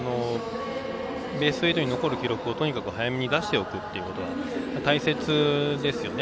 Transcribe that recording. ベスト８に残る記録を早めに出しておくということが大切ですよね。